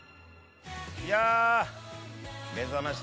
いや。